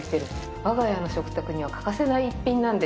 我が家の食卓には欠かせない一品なんです。